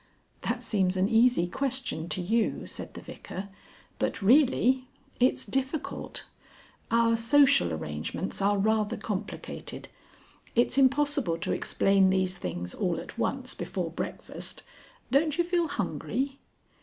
"That seems an easy question to you," said the Vicar, "but really! it's difficult. Our social arrangements are rather complicated. It's impossible to explain these things all at once, before breakfast. Don't you feel hungry?"